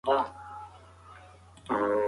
سپی اوس هم د غلام په تمه دی.